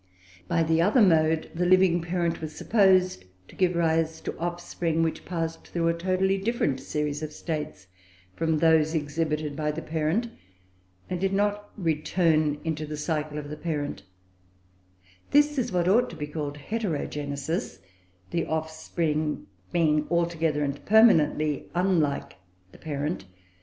By the other mode, the living parent was supposed to give rise to offspring which passed through a totally different series of states from those exhibited by the parent, and did not return into the cycle of the parent; this is what ought to be called Heterogenesis, the offspring being altogether, and permanently, unlike the parent.